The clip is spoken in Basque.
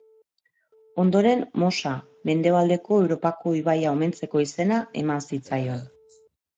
Ondoren Mosa, Mendebaldeko Europako ibaia omentzeko izena eman zitzaion.